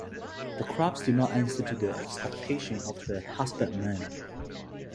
The crops did not answer to the expectation of the husbandman.